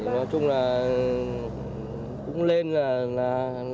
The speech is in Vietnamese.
nói chung là cũng lên là